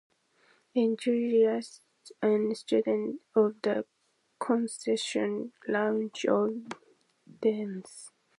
Enthusiasts and students of the concession launch off dunes.